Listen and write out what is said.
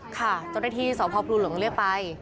ค่ะเจ้าหน้าที่สพพลูหลงเรียกไป